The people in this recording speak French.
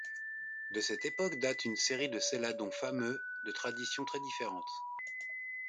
De cette époque date une série de céladons fameux, de traditions très différentes.